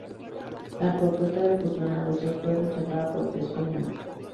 La propuesta de fusión a doce fue rechazada por tres comunas.